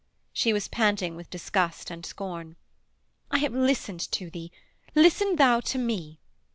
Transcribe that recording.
She was panting with disgust and scorn. 'I have listened to thee; listen thou to me.